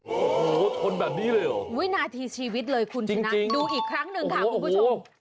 โอ้โหทนแบบนี้เลยเหรอวินาทีชีวิตเลยคุณชนะดูอีกครั้งหนึ่งค่ะคุณผู้ชม